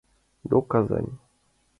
До Казань...